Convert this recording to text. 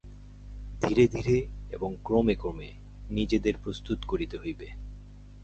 ধীরে ধীরে এবং ক্রমে ক্রমে নিজেদের প্রস্তুত করিতে হইবে।